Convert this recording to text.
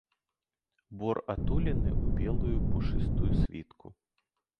Бор атулены ў белую пушыстую світку.